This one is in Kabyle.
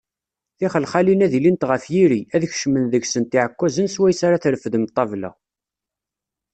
Tixelxalin ad ilint ɣef yiri, ad kecmen deg-sent iɛekkzan swayes ara treffdem ṭṭabla.